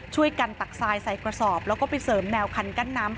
ตักทรายใส่กระสอบแล้วก็ไปเสริมแนวคันกั้นน้ำ